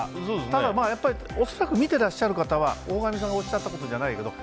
ただやっぱり恐らく見てらっしゃる方は大神さんがおっしゃったことじゃないけど